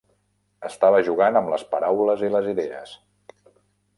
Estava jugant amb les paraules i les idees.